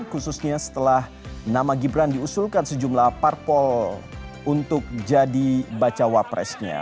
khususnya setelah nama gibran diusulkan sejumlah parpol untuk jadi bacawa presnya